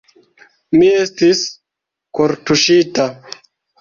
Mi estis kortuŝita.